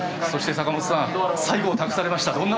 そして、坂本さん最後を託されました。